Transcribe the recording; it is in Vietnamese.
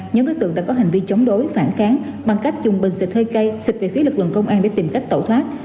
nhóm đối tượng đã có hành vi chống đối phản kháng bằng cách dùng bình xịt hơi cây xịt về phía lực lượng công an để tìm cách tẩu thoát